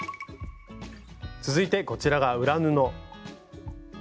続いてこちらが裏布。